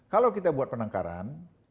kalau kita buat penangkaran